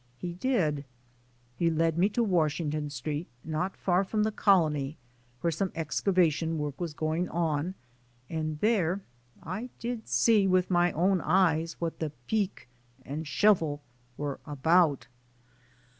He did. He led me to Washington Street, not far from the colony, where some excavation work was going on, and there I did see, with my own eyes, what the "peek" and "shuvle" were about.